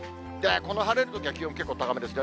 この晴れるときは、結構気温が高めですね。